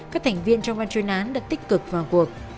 các thành viên trong ban chuyên án đã tích cực vào cuộc